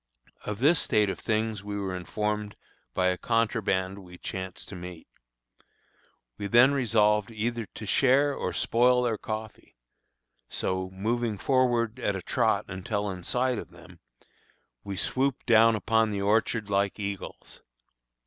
Of this state of things we were informed by a contraband we chanced to meet. We then resolved either to share or spoil their coffee; so, moving forward at a trot until in sight of them, we swooped down upon the orchard like eagles.